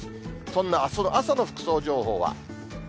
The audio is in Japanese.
そんなあすの朝の服装情報は。